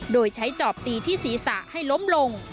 โดยใช้จอบตีที่ศีรษะให้ล้มลง